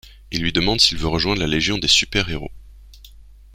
Ils lui demandent s'il veut rejoindre la Légion des Super-Héros.